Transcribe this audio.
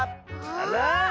あら！